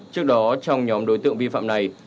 trước đó trong nhóm đối tượng vi phạm này